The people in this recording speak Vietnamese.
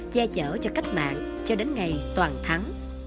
che chở cho cách mạng cho đến ngày toàn thắng